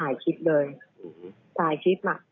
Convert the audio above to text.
มาถ่ายคลิปเลยถ่ายคลิปมา